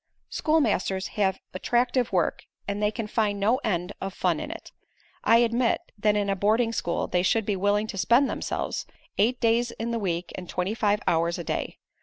"Schoolmasters have attractive work and they can find no end of fun in it. I admit that in a boarding school they should be willing to spend themselves, eight days in the week and twenty five hours a day.